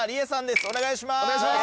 お願いします。